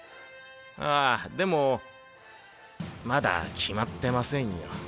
あでもまだ決まってませんよ。